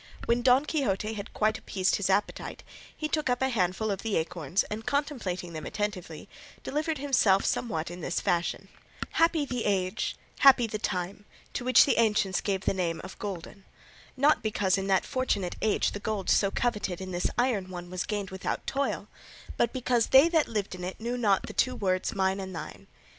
When Don Quixote had quite appeased his appetite he took up a handful of the acorns, and contemplating them attentively delivered himself somewhat in this fashion: "Happy the age, happy the time, to which the ancients gave the name of golden, not because in that fortunate age the gold so coveted in this our iron one was gained without toil, but because they that lived in it knew not the two words "mine" and "thine"!